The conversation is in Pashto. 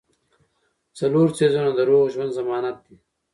څلور څيزونه د روغ ژوند ضمانت دي -